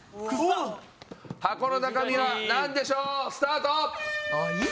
箱の中身はなんでしょう？スタート！